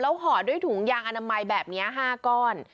ห่อด้วยถุงยางอนามัยแบบนี้๕ก้อน